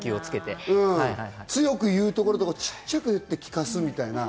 強く言う所とちっちゃく言って聞かすみたいな。